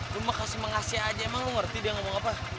lu makasih mengasih aja emang lu ngerti dia ngomong apa